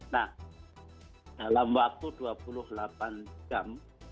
nah dalam waktu dua puluh delapan jam